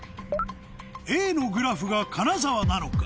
Ａのグラフが金沢なのか？